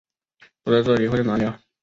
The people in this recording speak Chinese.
不在这里会在哪里啊？